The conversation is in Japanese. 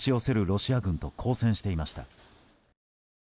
ロシア軍と交戦していました。